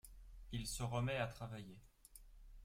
Il se remet à travailler.